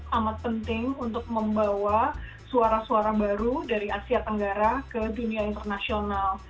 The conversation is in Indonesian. amat penting untuk membawa suara suara baru dari asia tenggara ke dunia internasional